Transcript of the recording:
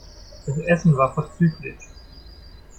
Das Essen war vorzüglich.